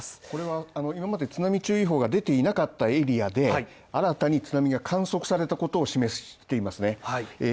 これは今まで津波注意報が出ていなかったエリアで新たに津波が観測されたことを示していますね